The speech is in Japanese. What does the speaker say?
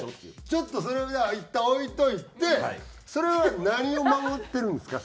ちょっとそれをじゃあいったん置いておいてそれは何を守ってるんですか？